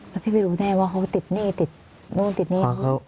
แล้วพี่ไม่รู้แน่ว่าเขาติดหนี้ติดนู่นติดหนี้